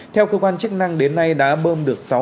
theo cơ quan chức năng đến nay đã bơm được